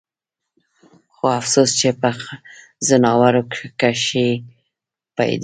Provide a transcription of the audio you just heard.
خو افسوس چې پۀ ځناورو کښې پېدا ئې